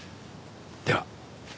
では。